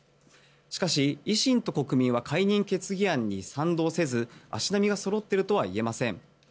しかし、維新と国民は解任決議案に賛同せず足並みがそろっているとはいえません。